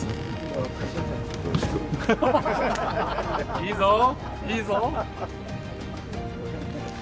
いいぞいいぞ。